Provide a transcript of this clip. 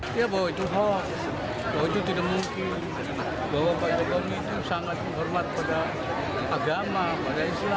dia bahwa itu hoax bahwa itu tidak mungkin bahwa pak jokowi itu sangat menghormat pada agama pada islam